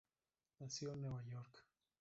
Nació en Nueva York.